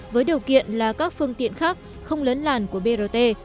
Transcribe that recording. với điều kiện là các phương tiện khác không lấn làn của brt